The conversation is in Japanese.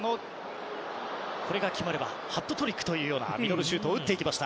そして田中のこれが決まればハットトリックというようなミドルシュートを打っていきました。